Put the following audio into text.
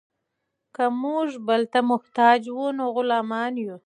که موږ بل ته محتاج وو نو غلامان یو.